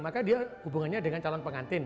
maka dia hubungannya dengan calon pengantin